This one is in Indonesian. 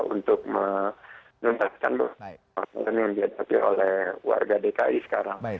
untuk menuntaskan proses yang diadakan oleh warga dki sekarang